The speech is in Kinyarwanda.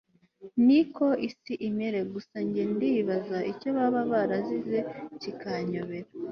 niko isi imera, gusa se njye ndibaza icyo baba barazize kikanyobera